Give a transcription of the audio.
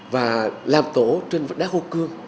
và làm tổ trên vết đá khô cương